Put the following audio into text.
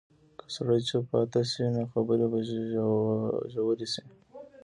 که سړی چوپ پاتې شي، نو خبرې به ژورې شي.